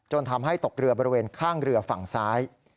ทำให้ตกเรือบริเวณข้างเรือฝั่งซ้าย